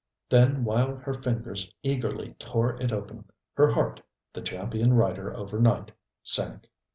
Then while her fingers eagerly tore it open, her heart, the champion rider over night, sank.